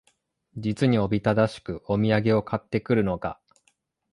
実におびただしくお土産を買って来るのが、